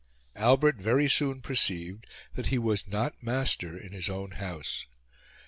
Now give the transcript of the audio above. Albert very soon perceived that he was not master in his own house.